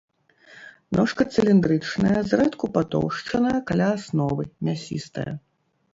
Ножка цыліндрычная, зрэдку патоўшчаная каля асновы, мясістая.